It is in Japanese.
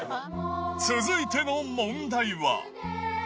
続いての問題は。